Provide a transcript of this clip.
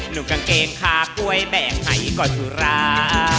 หนูกางเกงขากล้วยแบบไหนก่อนสุรา